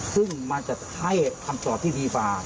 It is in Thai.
ซึ่งมันจะให้คำตอบที่ดีกว่า